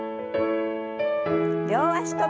両脚跳び。